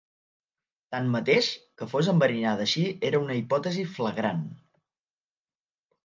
Tanmateix, que fos enverinada així era una hipòtesi flagrant.